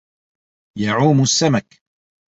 يَعُومُ السَّمَكُ.